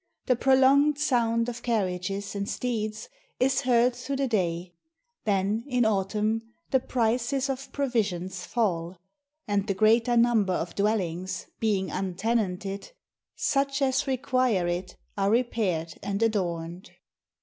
The prolonged sound of carriages and steeds is heard through the day; Then in autumn the prices of provisions fall, And the greater number of dwellings being untenanted, Such as require it are repaired and adorned.